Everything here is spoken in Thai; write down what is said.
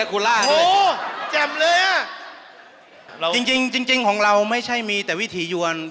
ก่อนจื่นจริงของเราไม่ใช่มีแต่วิถียวน